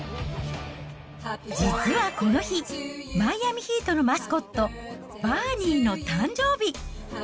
実はこの日、マイアミヒートのマスコット、バーニーの誕生日。